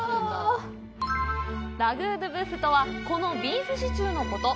ラグー・ドゥ・ブッフとはこのビーフシチューのこと。